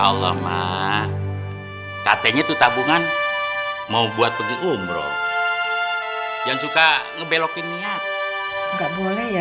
allah mah katanya tuh tabungan mau buat pergi umroh yang suka ngebelokin niat enggak boleh ya